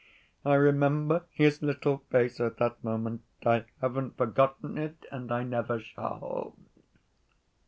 I remember his little face at that moment, I haven't forgotten it and I never shall!"